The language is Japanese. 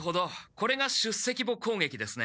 これが出席簿攻撃ですね。